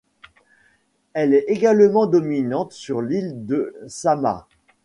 Elle est également dominante sur l’ile de Samhah.